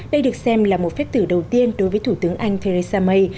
đây được xem là một phép thử đầu tiên đối với thủ tướng anh theresa may